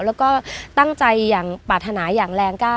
แล้วก็ตั้งใจปรารถนาอย่างแรงกล้า